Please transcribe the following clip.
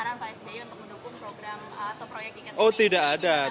arah pak sbi untuk mendukung program atau proyek di ketamani